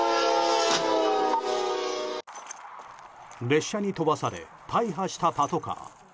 列車に飛ばされ大破したパトカー。